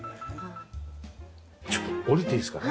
ちょっと下りていいですかね？